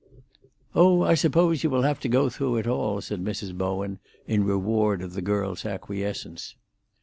"Oh, I suppose you will have to go through it all," said Mrs. Bowen, in reward of the girl's acquiescence.